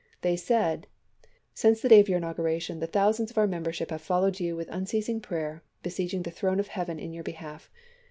They said :" Since the day of your inauguration, the thousands of our membership have followed you with unceasing prayer, besieging the throne of Heaven in your behalf.